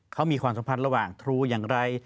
เขามีความสัมพันธ์ระหว่างครูอย่างไร